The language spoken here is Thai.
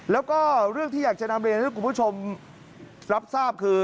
แล้วก็เรื่องที่อยากจะนำเรียนให้คุณผู้ชมรับทราบคือ